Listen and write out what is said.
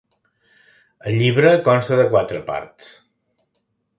El llibre consta de quatre parts.